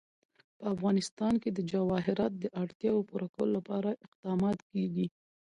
په افغانستان کې د جواهرات د اړتیاوو پوره کولو لپاره اقدامات کېږي.